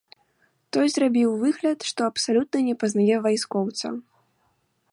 Той зрабіў выгляд, што абсалютна не пазнае вайскоўца.